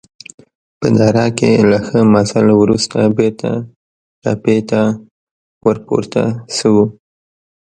په دره کې له ښه مزل وروسته بېرته تپې ته ورپورته شوو.